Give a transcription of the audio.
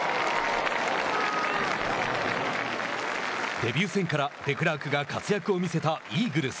デビュー戦からデクラークが活躍を見せたイーグルス。